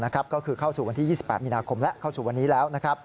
ก็คือเข้าสู่วันที่๒๘มีนาคมแล้วเข้าสู่วันนี้แล้ว